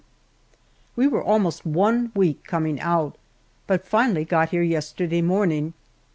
WE were almost one week coming out, but finally got here yesterday morning.